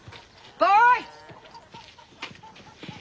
はい。